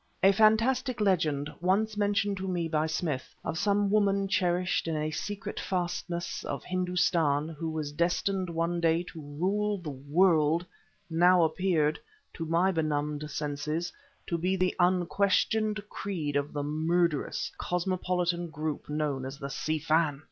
A fantastic legend once mentioned to me by Smith, of some woman cherished in a secret fastness of Hindustan who was destined one day to rule the world, now appeared, to my benumbed senses, to be the unquestioned creed of the murderous, cosmopolitan group known as the Si Fan!